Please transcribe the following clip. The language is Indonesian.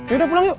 yaudah pulang yuk